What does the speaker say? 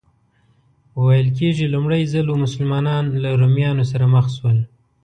ویل کېږي لومړی ځل و مسلمانان له رومیانو سره مخ شول.